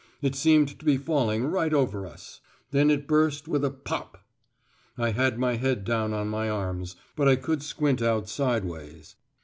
It seemed to be falling right over us. Then it burst with a "pop." I had my head down on my arms, but I could squint out sideways.